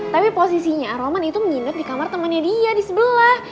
tapi posisinya roman itu menginap di kamar temannya dia di sebelah